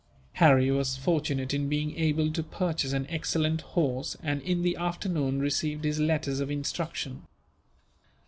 Harry was fortunate in being able to purchase an excellent horse and, in the afternoon, received his letters of instruction.